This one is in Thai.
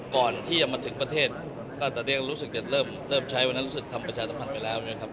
ก่อนที่จะมาถึงประเทศก็ตอนนี้ก็รู้สึกจะเริ่มใช้วันนั้นรู้สึกทำประชาสัมพันธ์ไปแล้วนะครับ